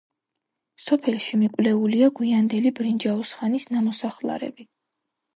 სოფელში მიკვლეულია გვიანდელი ბრინჯაოს ხანის ნამოსახლარები.